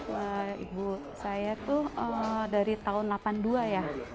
wah ibu saya itu dari tahun seribu sembilan ratus delapan puluh dua ya